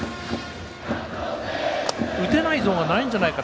打てないゾーンはないんじゃないか。